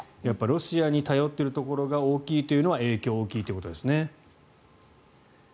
ロシアに頼っているところが大きいところは影響が大きいということでしょうね。